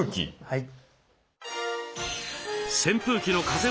はい。